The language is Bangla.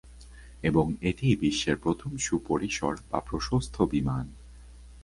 এবং এটিই বিশ্বের প্রথম সুপরিসর বা প্রশস্ত বিমান।